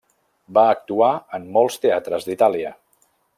Va actuar en molts teatres d'Itàlia.